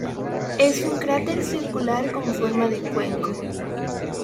Es un cráter circular con forma de cuenco.